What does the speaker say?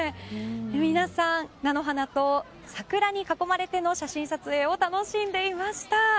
皆さん、菜の花と桜に囲まれての写真撮影を楽しんでいました。